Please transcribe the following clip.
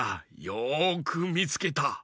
よくみつけた。